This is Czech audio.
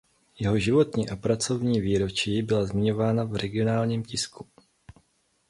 Jeho životní a pracovní výročí byla zmiňována v regionálním tisku.